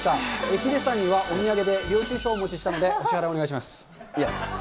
ヒデさんにはお土産で領収証をお持ちしたので、お支払いお願いしいや。